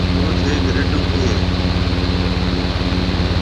اوٿ هيڪ رڍ اُڀِي هيَ۔